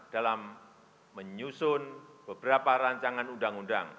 dalam menyusun beberapa rancangan undang undang